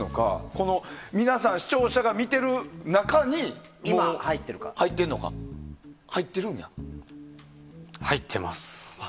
この皆さん視聴者が見ている中に入ってます。